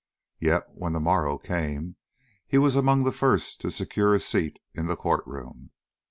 Yet when the morrow came he was among the first to secure a seat in the court room.